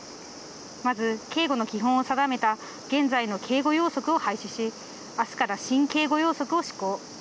まず警護の基本を定めた現在の警護要則を廃止し、あすから新・警護要則を施行。